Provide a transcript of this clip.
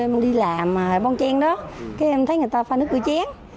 em đi làm bong chen đó em thấy người ta pha nước bữa chén